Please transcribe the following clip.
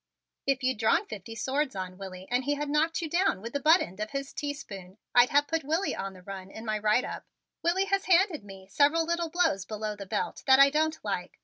"If you'd drawn fifty swords on Willie and he had knocked you down with the butt end of his teaspoon I'd have put Willie on the run in my write up. Willie has handed me several little blows below the belt that I don't like.